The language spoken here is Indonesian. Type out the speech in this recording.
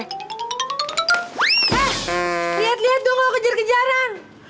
eh lihat lihat dong lo kejar kejaran